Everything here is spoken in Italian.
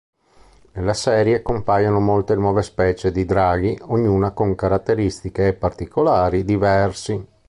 Nella serie compaiono molte nuove specie di draghi, ognuna con caratteristiche e particolari diversi.